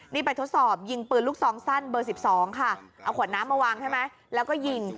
นี่ไปทดสอบยิงปืนลูกซองสั้นเบอร์๑๒ค่ะเอาขวดน้ำมาวางใช่ไหมแล้วก็ยิง